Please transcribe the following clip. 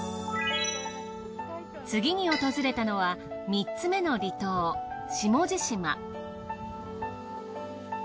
次に訪れたのは３つ目の離島下地島。